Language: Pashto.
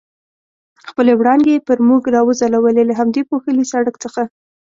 خپلې وړانګې پر موږ را وځلولې، له همدې پوښلي سړک څخه.